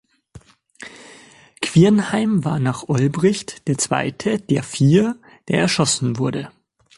Quirnheim war nach Olbricht der zweite der vier, der erschossen wurde.